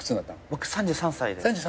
僕３３歳です。